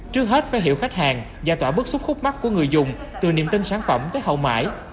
trước hết phải hiểu khách hàng giải tỏa bức xúc khúc mắt của người dùng từ niềm tin sản phẩm tới hậu mãi